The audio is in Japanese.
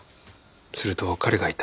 すると彼がいた。